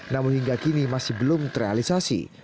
namun hingga kini masih belum terrealisasi